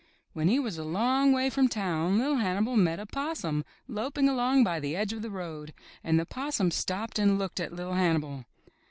When he was a long way from town Li'T Hannibal met a Possum, loping along by the edge of the road, and the Possum stopped and looked at LiT Hannibal.